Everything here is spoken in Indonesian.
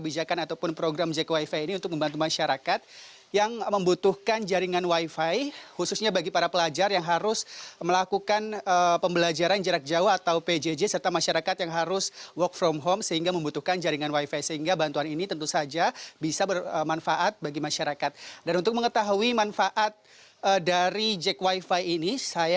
jangan lupa untuk berlangganan di website www jakwifi com